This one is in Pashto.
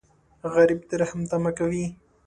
غریب د رحم تمه کوي